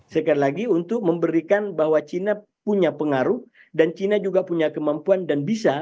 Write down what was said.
sekali lagi untuk memberikan bahwa china punya pengaruh dan china juga punya kemampuan dan bisa